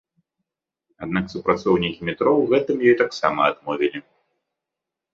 Аднак супрацоўнікі метро ў гэтым ёй таксама адмовілі.